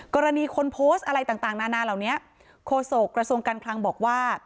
กรณีคนโพสต์อะไรต่างนานาเหล่านี้โฆษกระทรวงการคลังบอกว่า